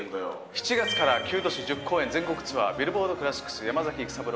７月から９都市１０公演、全国ツアー、ビルボードクラシックス、山崎育三郎